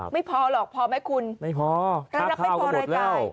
ไม่พอหรอกพอไหมคุณไม่พอรายรับไม่พอรายจ่าย